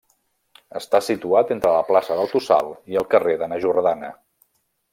Està situat entre la plaça del Tossal i el carrer de Na Jordana.